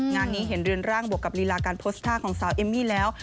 งานนี้เห็นเรือนร่างบวกกับลีลาการโพสต์ท่าของสาวเอมมี่แล้ว